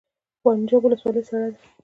پنجاب ولسوالۍ سړه ده؟